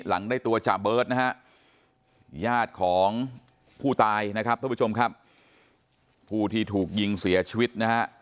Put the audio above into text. หลังได้ตัวจ้ะเบิร์ตนะฮะญาติของผู้ตายนะครับผู้ที่ถูกยิงเสียชีวิตนะฮะ